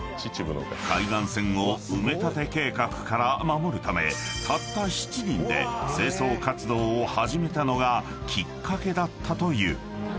［海岸線を埋め立て計画から守るためたった７人で清掃活動を始めたのがきっかけだったという］